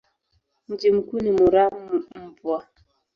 Mji mkuu ni Muramvya.